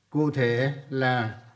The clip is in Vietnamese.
cụ thể là